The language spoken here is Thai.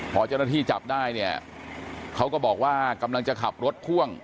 พอเจ้าหน้าที่จับได้เนี่ยเขาก็บอกว่ากำลังจะขับรถพ่วง